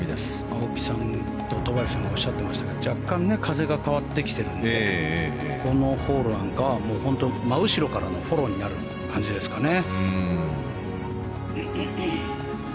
青木さんと戸張さんがおっしゃっていましたが若干、風が変わってきてるのでこのホールなんかは真後ろからのフォローになる感じですかね。